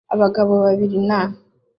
Abagabo babiri na